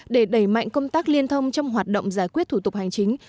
để đẩy mạnh công tác liên thông trong hoạt động giải quyết thủ tục hành chính